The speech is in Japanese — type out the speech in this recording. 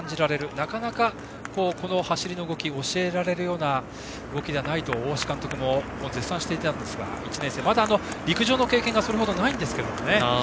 なかなか、この走りの動き教えられるような動きではないと大橋監督も絶賛していましたがまだ陸上の経験がそれほどないんですけどね。